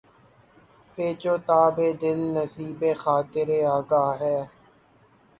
پیچ و تابِ دل نصیبِ خاطرِ آگاہ ہے